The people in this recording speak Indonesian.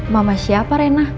mama siapa rena